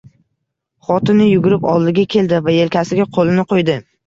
Xotini yugurib oldiga keldi va yelkasiga qoʻlini qoʻydi.